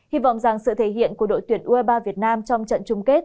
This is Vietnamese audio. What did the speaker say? hy vọng rằng sự thể hiện của đội tuyển ue ba việt nam trong trận chung kết